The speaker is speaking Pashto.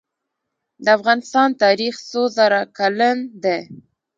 د افغانستان تاریخ څو زره کلن دی؟